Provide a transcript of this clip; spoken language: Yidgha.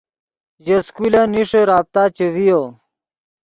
ژے سکولن نیݰے رابطہ چے ڤیو